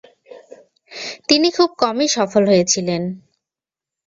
তিনি খুব কমই সফল হয়েছিলেন।